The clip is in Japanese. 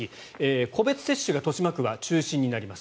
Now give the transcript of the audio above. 個別接種が豊島区は中心になります。